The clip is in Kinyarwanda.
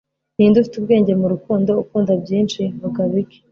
ninde ufite ubwenge mu rukundo, ukunda byinshi, vuga bike